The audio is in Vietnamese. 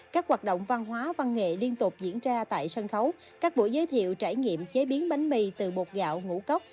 các hoạt động văn hóa văn nghệ liên tục diễn ra tại sân khấu các buổi giới thiệu trải nghiệm chế biến bánh mì từ bột gạo ngũ cốc